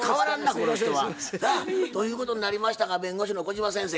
この人は。ということになりましたが弁護士の小島先生